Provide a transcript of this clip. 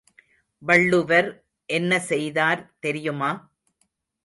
வள்ளுவர் என்ன செய்தார் தெரியுமா?